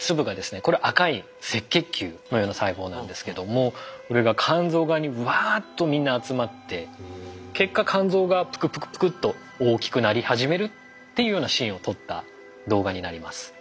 これは赤い赤血球のような細胞なんですけどもこれが肝臓側にブワーッとみんな集まって結果肝臓がプクプクプクッと大きくなり始めるというようなシーンを撮った動画になります。